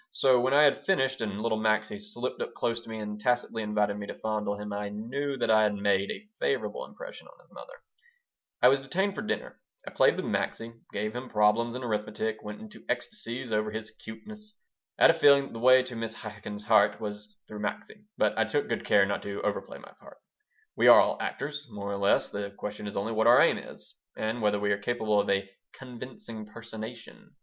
So when I had finished and little Maxie slipped up close to me and tactily invited me to fondle him I knew that I had made a favorable impression on his mother I was detained for dinner. I played with Maxie, gave him problems in arithmetic, went into ecstasies over his "cuteness." I had a feeling that the way to Mrs. Chaikin's heart was through Maxie, but I took good care not to over play my part We are all actors, more or less. The question is only what our aim is, and whether we are capable of a "convincing personation."